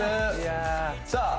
さあ